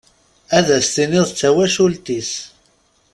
Ad as-tiniḍ d tawacult-is.